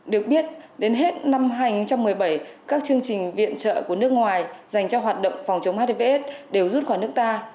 được biết đến hết năm hai nghìn một mươi bảy các chương trình viện trợ của nước ngoài dành cho hoạt động phòng chống hdps đều rút khỏi nước ta